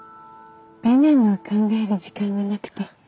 ペンネーム考える時間がなくて。